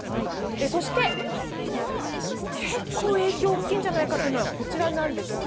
そして、結構影響が大きいんじゃないかというのがこちらなんですよね。